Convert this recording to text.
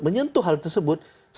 menyentuh hal tersebut